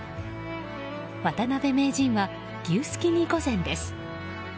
渡辺名人は牛すき煮御膳です。